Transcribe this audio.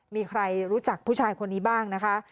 มีใครรู้จักผู้ชายคนนี้บ้างนะคะ